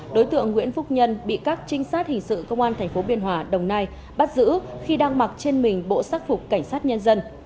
đối tượng nguyễn phúc nhân bị các trinh sát hình sự công an tp biên hòa đồng nai bắt giữ khi đang mặc trên mình bộ sắc phục cảnh sát nhân dân